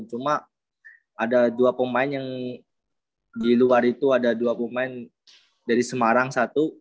cuma ada dua pemain yang di luar itu ada dua pemain dari semarang satu